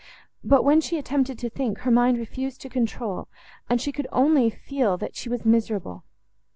But, when she attempted to think, her mind refused control, and she could only feel that she was miserable.